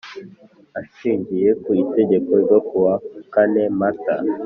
Ashingiye ku Itegeko ryo kuwa kane mata